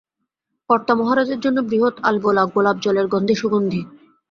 কর্তামহারাজের জন্যে বৃহৎ আলবোলা, গোলাপজলের গন্ধে সুগন্ধি।